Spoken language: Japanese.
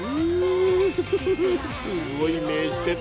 すごい目してた。